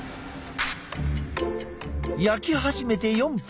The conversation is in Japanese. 焼き始めて４分。